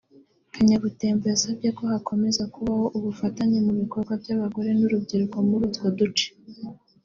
Kanyabutembo yasabye ko hakomeza kubaho ubufatanye mu bikorwa by’abagore n’urubyiruko muri utwo duce